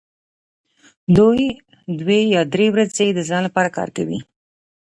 دوی دوې یا درې ورځې د ځان لپاره کار کوي